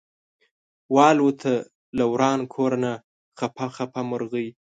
والوته له وران کور نه خپه خپه مرغۍ